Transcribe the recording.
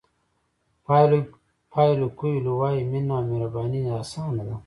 پایلو کویلو وایي مینه او مهرباني اسانه ده.